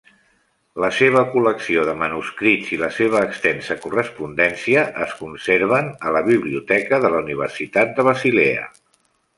La seva col·lecció de manuscrits i la seva extensa correspondència es conserven a la Biblioteca de la Universitat de Basilea.